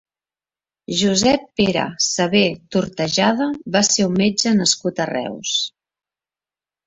Josep Pere Savé Tortajada va ser un metge nascut a Reus.